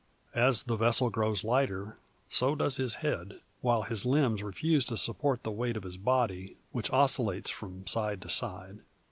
As the vessel grows lighter, so does his head; while his limbs refuse to support the weight of his body, which oscillates from side to side.